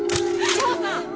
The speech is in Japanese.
志保さん。